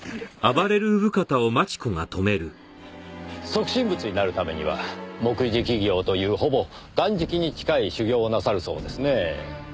即身仏になるためには木食行というほぼ断食に近い修行をなさるそうですねぇ。